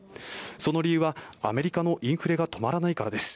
その理由はアメリカのインフレが止まらないからです。